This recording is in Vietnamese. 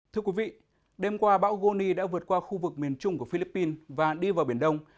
thưa quý vị đêm qua bão goni đã vượt qua khu vực miền trung của philippines và đi vào biển đông